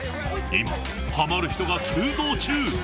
今ハマる人が急増中。